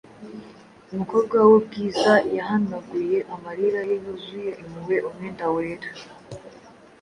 Umukobwa wubwiza yahanaguye amarira ye yuzuye impuhwe umwenda wera